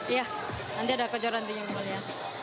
iya nanti ada kejuaraan di mongolia